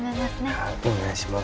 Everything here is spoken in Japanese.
はいお願いします